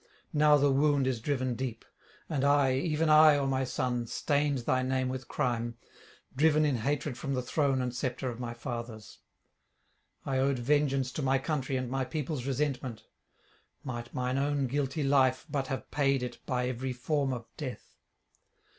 now the wound is driven deep! And I, even I, O my son, stained thy name with crime, driven in hatred from the throne and sceptre of my fathers. I owed vengeance to my country and my people's resentment; might mine own guilty life but have paid it by every form of death!